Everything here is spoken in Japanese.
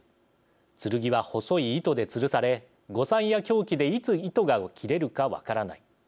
剣は細い糸でつるされ誤算や狂気でいつ糸が切れるか分からない」。